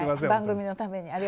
番組のために。